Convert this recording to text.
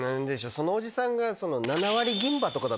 そのおじさんが。